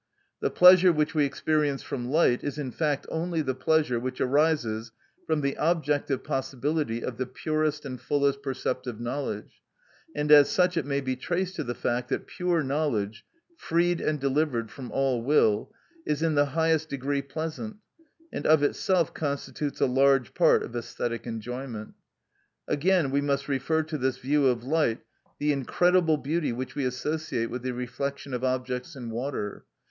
The pleasure which we experience from light is in fact only the pleasure which arises from the objective possibility of the purest and fullest perceptive knowledge, and as such it may be traced to the fact that pure knowledge, freed and delivered from all will, is in the highest degree pleasant, and of itself constitutes a large part of æsthetic enjoyment. Again, we must refer to this view of light the incredible beauty which we associate with the reflection of objects in water.